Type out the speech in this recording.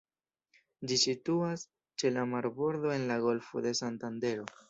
Ĝi situas ĉe la marbordo en la Golfo de Santandero.